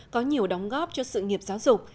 có nhiều đóng góp cho sự nghiệp giáo dục